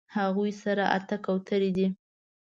هغوی سره اتۀ کوترې دي